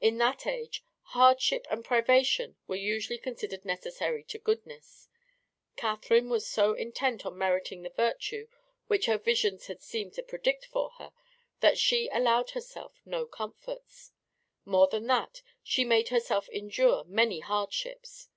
In that age hardship and privation were usually considered necessary to goodness. Catherine was so intent on meriting the virtue which her visions had seemed to predict for her that she allowed herself no comforts. More than that she made herself endure many hardships.